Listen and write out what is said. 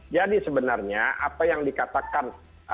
jadi sebenarnya apa yang dikatakan